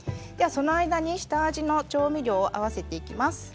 その間に下味の調味料を合わせていきます。